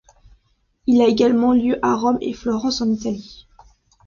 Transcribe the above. Il a également lieu à Rome et Florence en Italie.